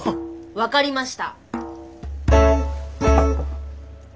分かりました。